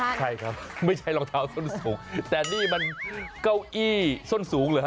ใช่ครับไม่ใช่รองเท้าส้นสูงแต่นี่มันเก้าอี้ส้นสูงเหรอ